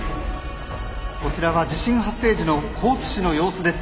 こちらは地震発生時の高知市の様子です。